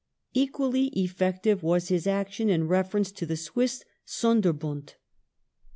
^ The Swiss Equally effective was his action in reference to the Swiss Sonder bund.